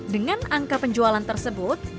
dengan angka penjualan tersebut